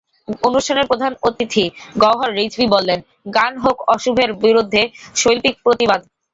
অনুষ্ঠানের প্রধান অতিথি গওহর রিজভী বললেন, গান হোক অশুভের বিরুদ্ধে শৈল্পিক প্রতিবাদ।